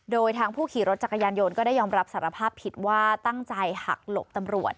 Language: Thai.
โดยทางผู้ขี่รถจักรยานยนต์ก็ได้ยอมรับสารภาพผิดว่าตั้งใจหักหลบตำรวจ